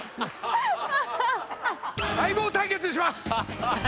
『相棒』対決にします！